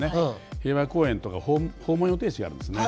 平和公園とか訪問予定地があるんですね。